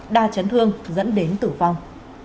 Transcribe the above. đa chấn thương dẫn đến tử vong